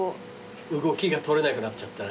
動きが取れなくなっちゃったな。